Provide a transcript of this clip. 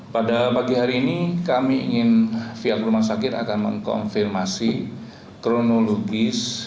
pada pagi hari ini kami ingin pihak rumah sakit akan mengkonfirmasi kronologis